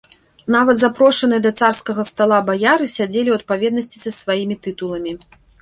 Нават запрошаныя да царскага стала, баяры сядзелі ў адпаведнасці са сваімі тытуламі.